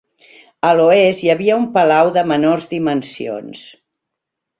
A l'oest hi havia un palau de menors dimensions.